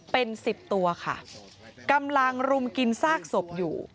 เป็นสิบตัวค่ะกำลังรุมกินซากศพอยู่